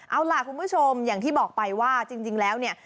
เอาล่ะคุณผู้ชมอย่างที่บอกไปว่าจริงแล้วเนี่ย